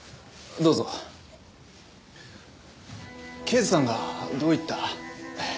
刑事さんがどういった？